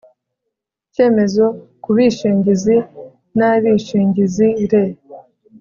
cyemezo ku bishingizi n abishingizi re